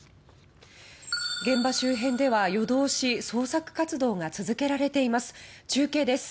現場周辺では夜通し捜索活動が続けられています。